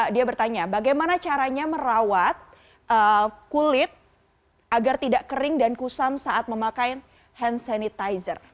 dia bertanya bagaimana caranya merawat kulit agar tidak kering dan kusam saat memakai hand sanitizer